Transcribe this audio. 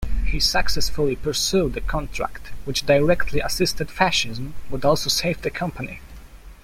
He successfully pursued the contract, which directly assisted fascism but also saved the company.